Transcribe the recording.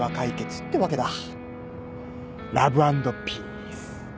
ラブ＆ピース。